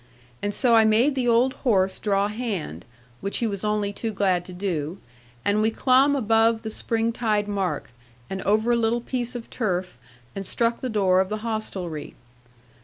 And so I made the old horse draw hand, which he was only too glad to do, and we clomb above the spring tide mark, and over a little piece of turf, and struck the door of the hostelry.